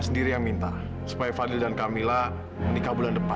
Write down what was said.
sampai jumpa di video selanjutnya